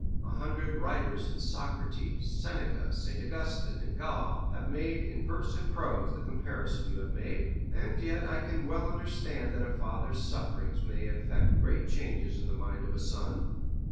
A hundred writers since Socrates, Seneca, St. Augustine, and Gall, have made, in verse and prose, the comparison you have made, and yet I can well understand that a father's sufferings may effect great changes in the mind of a son.